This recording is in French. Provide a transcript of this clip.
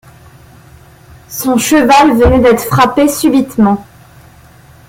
Son cheval venait d’être frappé subitement.